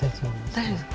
大丈夫ですか？